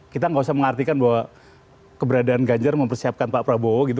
kita nggak usah mengartikan bahwa keberadaan ganjar mempersiapkan pak prabowo gitu